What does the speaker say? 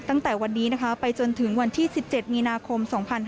ตั้งแต่วันนี้นะคะไปจนถึงวันที่๑๗มีนาคม๒๕๕๙